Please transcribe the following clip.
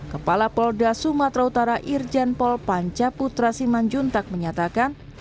kepala polda sumatera utara irjen pol panca putra simanjuntak menyatakan